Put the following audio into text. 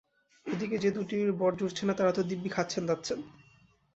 এ দিকে যে দুটির বর জুটছে না তাঁরা তো দিব্যি খাচ্ছেন-দাচ্ছেন।